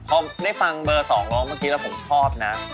พอได้ฟังเบอร์๒ร้องเมื่อกี้แล้วผมชอบนะ